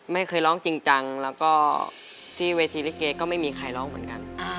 ไม่เคยร้องจริงจังแล้วก็ที่เวทีลิเกก็ไม่มีใครร้องเหมือนกัน